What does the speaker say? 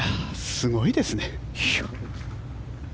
すごいですね。